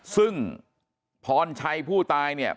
ซึ่งพรชัยผู้ตายเนี่ย